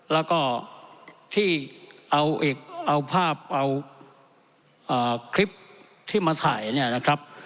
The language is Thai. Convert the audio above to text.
แล้วก็ที่เอาภาพเอาคลิปที่มาถ่ายเนี่ยนะครับ